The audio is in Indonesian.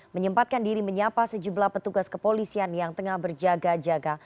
menyempatkan diri menyapa sejumlah petugas kepolisian yang tengah berjaga jaga